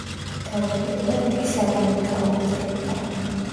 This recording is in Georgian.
თავდაპირველად იგი საბინური ქალღმერთი იყო.